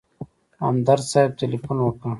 همدرد صاحب تیلفون وکړ.